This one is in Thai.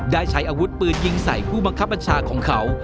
ได้ใช้อาวุธปืนยิงใส่ผู้บังคับบัญชาของเขา